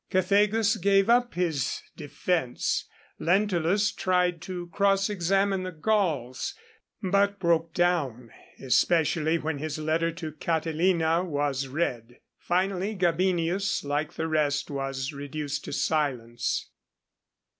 Cethegus gave up his defence; Lentulus tried to cross examine the Gauls, but broke down, especially when his letter to Catilina was read. Finally Gabinius, like the rest, was reduced to silence.